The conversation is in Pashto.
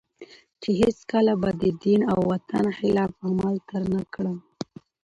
چي هیڅکله به د دین او وطن خلاف عمل تر نه کړم